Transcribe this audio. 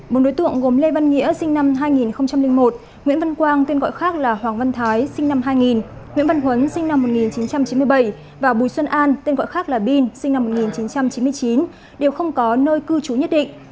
một đối tượng gồm lê văn nghĩa sinh năm hai nghìn một nguyễn văn quang tên gọi khác là hoàng văn thái sinh năm hai nghìn nguyễn văn huấn sinh năm một nghìn chín trăm chín mươi bảy và bùi xuân an tên gọi khác là bin sinh năm một nghìn chín trăm chín mươi chín đều không có nơi cư trú nhất định